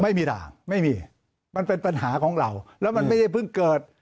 ไม่มีด่าไม่มีมันเป็นปัญหาของเราแล้วมันไม่ได้เพิ่งเกิด